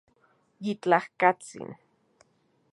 Yitlajkatsin